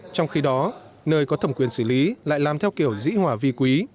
trong khi đó nơi có thẩm quyền xử lý lại làm theo kiểu dĩ hòa vi quý